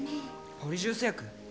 ポリジュース薬？